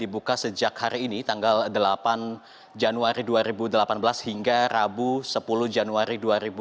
dibuka sejak hari ini tanggal delapan januari dua ribu delapan belas hingga rabu sepuluh januari dua ribu delapan belas